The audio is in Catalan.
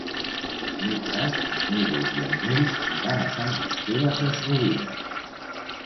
Dimecres en Milos i en Nil aniran a Sant Esteve Sesrovires.